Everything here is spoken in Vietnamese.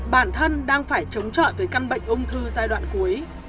bản thân đang phải chống chọi với căn bệnh ung thư giai đoạn cuối